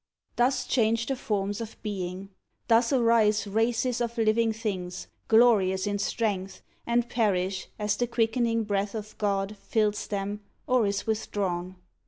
Thus change the forms of being. Thus arise Races of living things, glorious in strength, And perish, as the quickening breath of God Fills them, or is withdrawn.